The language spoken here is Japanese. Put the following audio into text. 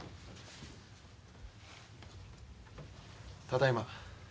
ただいま。